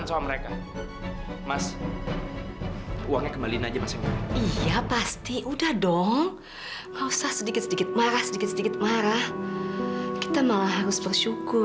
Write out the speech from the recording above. sampai jumpa di video selanjutnya